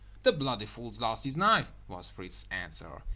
"The bloody fool's lost his knife," was Fritz's answer.